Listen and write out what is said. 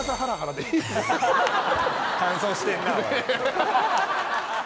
乾燥してんなおい。